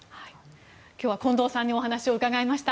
今日は近藤さんにお話をお伺いしました。